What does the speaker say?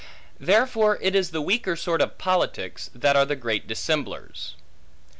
Therefore it is the weaker sort of politics, that are the great dissemblers.